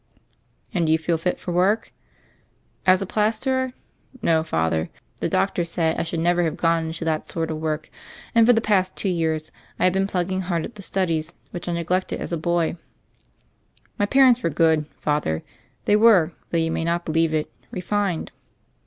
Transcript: "And do you feel fit for work?" "As a plasterer? No, Father. The doctors say I should never have gone into that sort of work ; and for the past two years I've been plug ging hard at the studies which I neglected as a boy. My parents were good, Father; they were, though you may not believe it, refined."